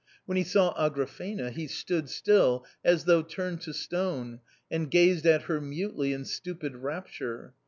When he saw Agrafena he stood still as though turned to stone, and gazed at her mutely in stupid rapture.